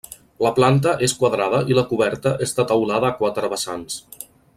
La planta és quadrada i la coberta és de teulada a quatre vessants.